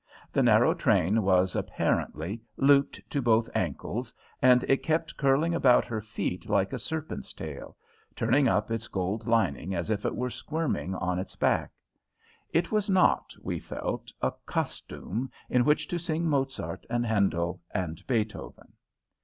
The narrow train was, apparently, looped to both ankles, and it kept curling about her feet like a serpent's tail, turning up its gold lining as if it were squirming over on its back. It was not, we felt, a costume in which to sing Mozart and Handel and Beethoven.